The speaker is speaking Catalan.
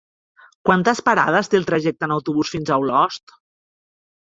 Quantes parades té el trajecte en autobús fins a Olost?